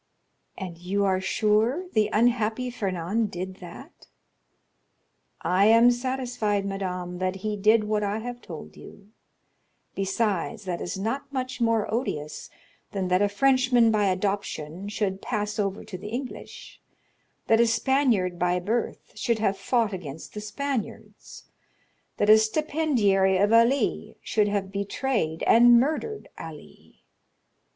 "And you are sure the unhappy Fernand did that?" "I am satisfied, madame, that he did what I have told you; besides, that is not much more odious than that a Frenchman by adoption should pass over to the English; that a Spaniard by birth should have fought against the Spaniards; that a stipendiary of Ali should have betrayed and murdered Ali.